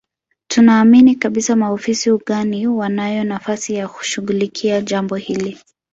Tunaamini kabisa maofisa ugani wanayo nafasi ya kushughulikia jambo hili